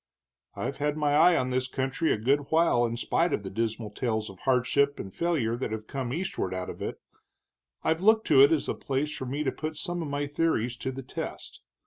"I've had my eye on this country a good while in spite of the dismal tales of hardship and failure that have come eastward out of it. I've looked to it as the place for me to put some of my theories to the test.